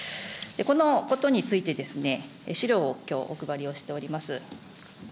このことについて、資料をきょうお配りをしております。